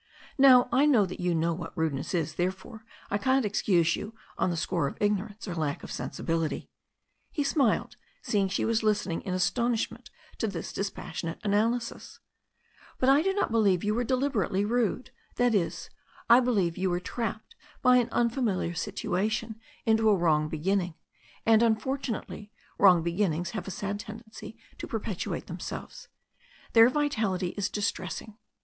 Now I know that you know what rudeness is, therefore I can't excuse you on the score of ignorance or lack of sensibility" — ^he smiled, seeing she was listening in astonishment to this dispassionate analysis — ^"but I do not believe you were deliberately rude; that is, I believe you were trapped by an unfamiliar situation into a wrong beginning, and, unfortunately, wrong beginnings have a sad tendency to perpetuate themselves; their vitality ia distressing.